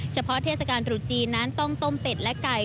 เทศกาลตรุษจีนนั้นต้องต้มเป็ดและไก่